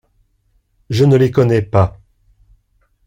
Je ne les connais pas.